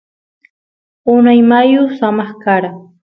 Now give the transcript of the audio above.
unay mayu samaq kara